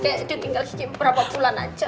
kayak juga tinggal kiki berapa bulan aja